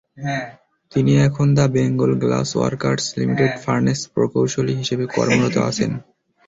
তিনি এখন the Bengal glass workers লিমিটেডে ফার্নেস প্রকৌশলী হিসেবে কর্মরত আছেন।